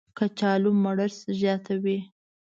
کچالو مړښت زیاتوي